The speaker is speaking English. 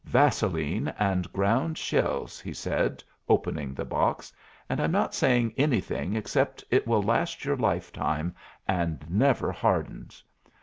Vaseline and ground shells," he said, opening the box, "and I'm not saying anything except it will last your lifetime and never hardens.